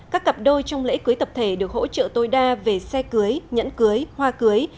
các cặp đôi trong lễ cưới tập thể được hỗ trợ tối đa về xe cưới nhẫn cưới hoa cưới